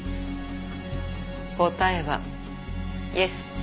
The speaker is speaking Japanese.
答えはイエス。